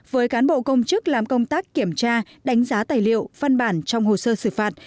bản bộ công chức làm công tác kiểm tra đánh giá tài liệu văn bản trong hồ sơ xử phạt